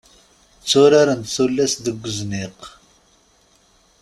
Tturarent tullas deg uzniq.